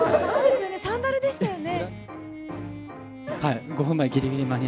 サンダルでしたよね。